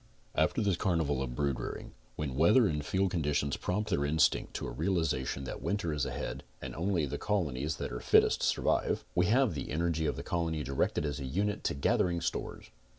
After this carnival of brood rearing, when weather and field conditions prompt their instinct to a realization that winter is CONSTRUCTIVE BEEKEEPING 17 ahead, and only the colonies that are fitest survive; we have the energy of the colony directed as a unit to gathering stores.